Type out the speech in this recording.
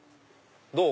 どう？